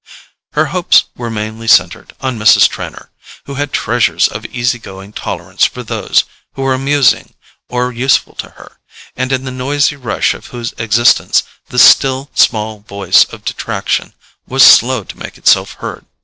Her hopes were mainly centred on Mrs. Trenor, who had treasures of easy going tolerance for those who were amusing or useful to her, and in the noisy rush of whose existence the still small voice of detraction was slow to make itself heard.